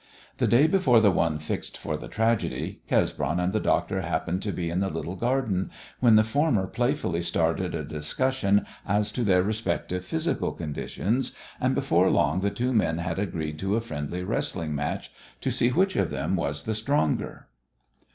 The day before the one fixed for the tragedy Cesbron and the doctor happened to be in the little garden, when the former playfully started a discussion as to their respective physical conditions, and before long the two men had agreed to a friendly wrestling match to see which of them was the stronger.